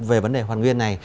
về vấn đề hoàn nguyên này